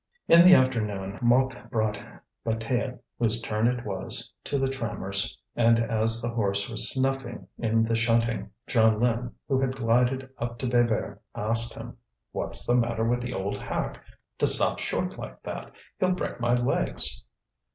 In the afternoon, Mouque brought Bataille, whose turn it was, to the trammers; and as the horse was snuffing in the shunting, Jeanlin, who had glided up to Bébert, asked him: "What's the matter with the old hack to stop short like that? He'll break my legs."